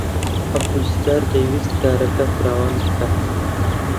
عەبدولستار دەیویست کارەکەی فراوان بکات.